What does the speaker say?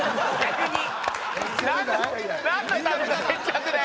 なんのなんのための接着だよ。